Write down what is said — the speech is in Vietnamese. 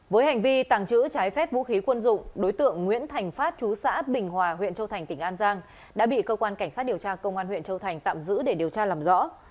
với hành vi tàng trữ trái phép vũ khí quân dụng đối tượng nguyễn thành phát chú xã bình hòa huyện châu thành tỉnh an giang đã bị cơ quan cảnh sát điều tra công an huyện châu thành tạm giữ để điều tra làm rõ